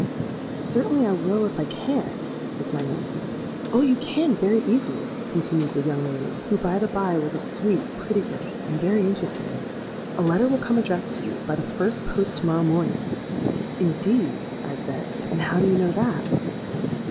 '—Certainly I will, if I can,' was my answer.—'Oh! you can very easily,' continued the young lady, who, by the by, was a sweet pretty girl, and very interesting: 'a letter will come addressed to you, by the first post to morrow morning.'—'Indeed!' I said; 'and how do you know that?'